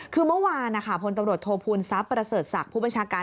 คือเมื่อวานนะคะพลตำรวจโทษภูมิทรัพย์ประเสริฐศักดิ์ผู้บัญชาการ